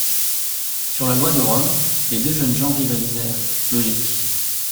Sur la loi de Rome, les deux jeunes gens rivalisèrent, logiques.